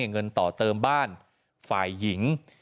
เงินต่อเติมบ้านฝ่ายหญิง